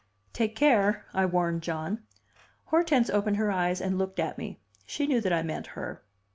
"Take care," I warned John. Hortense opened her eyes and looked at me; she knew that I meant her.